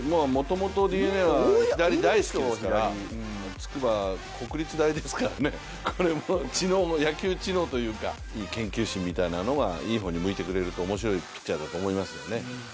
ＤｅＮＡは左大好きですから筑波は国立大ですから野球知能というか研究心みたいなのがいい方に向いてくれると面白いピッチャーだと思いますけどね。